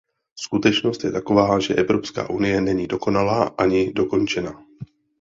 Skutečnost je taková, že Evropská unie není dokonalá, ani dokončená.